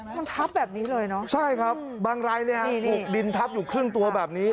มันทับแบบนี้เลยเนอะใช่ครับบางรายเนี่ยฮะถูกดินทับอยู่ครึ่งตัวแบบนี้